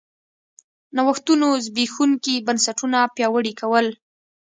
نوښتونو زبېښونکي بنسټونه پیاوړي کول